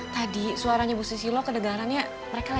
tadi suaranya bu sisilo kedegarannya ya nggak bisa